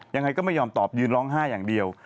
ยังไงก็ไม่ยอมตอบยืนร้องไห้อย่างเดียว